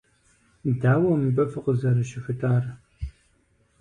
Дауэ мыбы фыкъызэрыщыхутар?